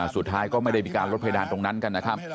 สุดท้ายก็ไม่ได้มีการลดเพดานตรงนั้นกันนะครับ